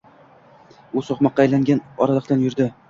U so’qmoqqa aylangan oraliqdan yurdi.